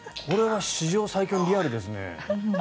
これは史上最強にリアルですね。